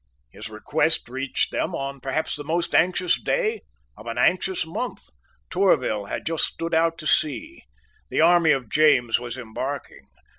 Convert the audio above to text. His request reached them on perhaps the most anxious day of an anxious month. Tourville had just stood out to sea. The army of James was embarking.